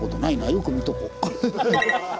よく見とこう。